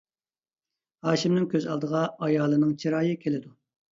ھاشىمنىڭ كۆز ئالدىغا ئايالىنىڭ چىرايى كېلىدۇ.